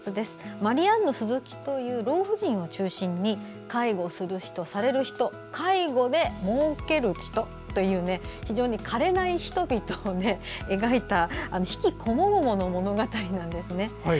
マリアンヌ鈴木という老婦人を中心に介護する人、される人介護でもうける人という非常に枯れない人々を描いた悲喜こもごもの物語なんですね。